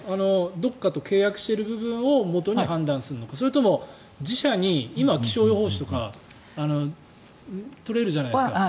どこかと契約している部分をもとに判断するのか、それとも自社に今、気象予報士とか採れるじゃないですか。